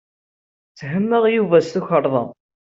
Ttehmeɣ Yuba s tukerḍa.